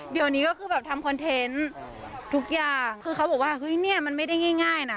เดี๋ยวนี้ก็คือแบบทำคอนเทนต์ทุกอย่างคือเขาบอกว่าเฮ้ยเนี่ยมันไม่ได้ง่ายนะ